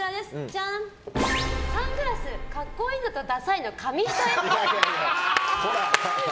サングラス、格好いいのとダサいの紙一重っぽい。